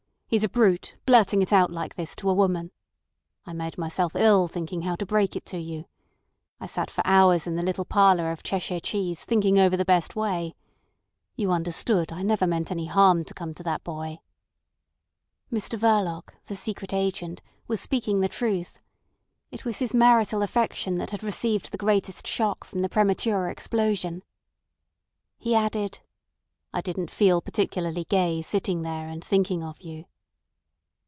He's a brute, blurting it out like this to a woman. I made myself ill thinking how to break it to you. I sat for hours in the little parlour of Cheshire Cheese thinking over the best way. You understand I never meant any harm to come to that boy." Mr Verloc, the Secret Agent, was speaking the truth. It was his marital affection that had received the greatest shock from the premature explosion. He added: "I didn't feel particularly gay sitting there and thinking of you."